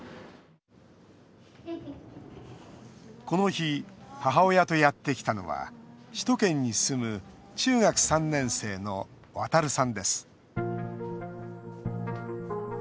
この日、母親とやってきたのは首都圏に住む中学３年生のわたるさんです。